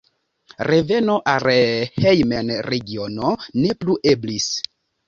Reveno al la hejm-regiono ne plu eblis.